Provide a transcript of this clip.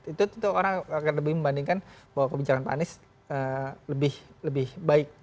itu tentu orang akan lebih membandingkan bahwa kebijakan pak anies lebih baik